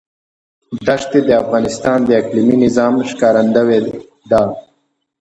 دښتې د افغانستان د اقلیمي نظام ښکارندوی ده.